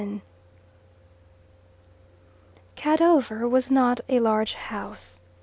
XI Cadover was not a large house.